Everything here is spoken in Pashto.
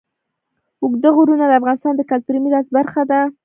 اوږده غرونه د افغانستان د کلتوري میراث برخه ده.